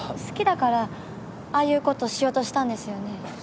好きだからああいうことしようとしたんですよね？